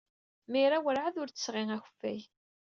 Mira werɛad ur d-tesɣi akeffay.